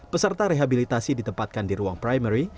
peserta rehabilitasi ditempatkan di ruang primary